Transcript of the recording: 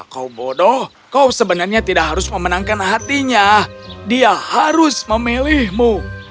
kau bodoh kau sebenarnya tidak harus memenangkan hatinya dia harus memilihmu